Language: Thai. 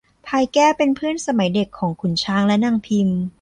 พลายแก้วเป็นเพื่อนสมัยเด็กของขุนช้างและนางพิม